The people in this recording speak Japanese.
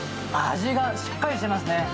味がしっかりしてますね。